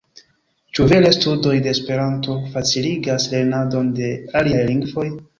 Ĉu vere studoj de Esperanto faciligas lernadon de aliaj lingvoj?